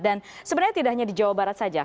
dan sebenarnya tidak hanya di jawa barat saja